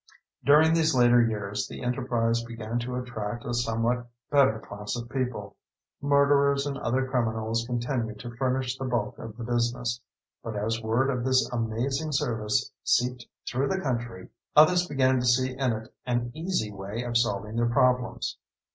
During these later years, the enterprise began to attract a somewhat better class of people. Murderers and other criminals continued to furnish the bulk of the business, but as word of this amazing service seeped through the country, others began to see in it an easy way of solving their problems.